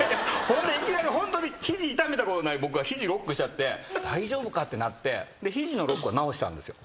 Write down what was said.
いきなりホントに肘痛めたことない僕が肘ロックしちゃって大丈夫かってなって肘のロックは治したんですよ。